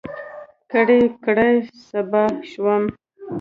کړۍ، کړۍ صهبا شوم